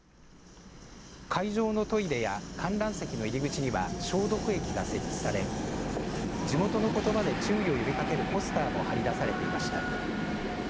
会場のトイレや観覧席の入り口には消毒液が設置され地元のことばで注意を呼びかけるポスターも貼りだされていました。